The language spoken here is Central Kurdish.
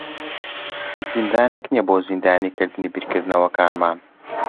هیچ زیندانێک نییە بۆ زیندانیکردنی بیرکردنەوەکانمان.